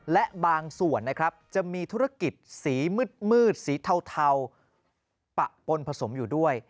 และบางส่วนนะครับจะมีธุรกิจสีมืดสีเทาปะปนผสมอยู่ด้วย